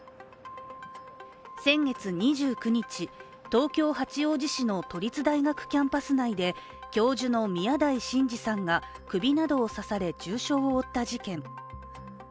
先月２９日、東京・八王子市の都立大学キャンパス内で教授の宮台真司さんが首などを刺され重傷を負った事件。